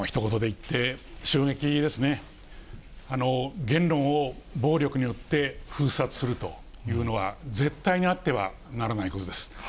言論を暴力によって封殺するというのは、絶対にあってはならないことです。